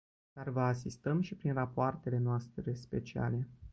Dar vă asistăm și prin rapoartele noastre speciale.